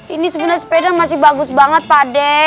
ini sebenernya sepeda masih bagus banget pakde